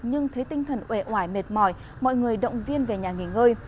nhưng thấy tinh thần ủe ỏi mệt mỏi mọi người động viên về nhà nghỉ ngơi